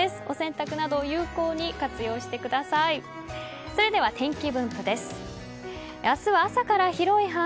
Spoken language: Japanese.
お洗濯など有効に活用してください。